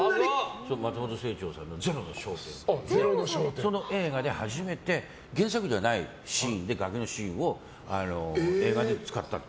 松本清張さんの「ゼロの焦点」。その映画で初めて原作ではないシーンで崖のシーンを映画で使ったの。